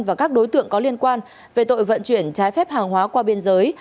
và các đối tượng có liên quan về tội vận chuyển trái phép hàng hóa qua biên giới